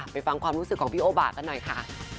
ฟังความรู้สึกของพี่โอบากันหน่อยค่ะ